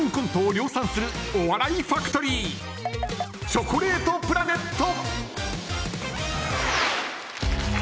チョコレートプラネット。